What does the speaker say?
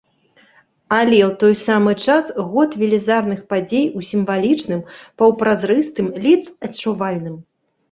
Але ў той самы час год велізарных падзей у сімвалічным, паўпразрыстым, ледзь адчувальным.